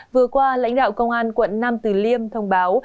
vừa qua lãnh đạo công an quận nam từ liêm thông báo